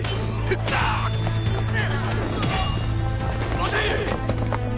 待て！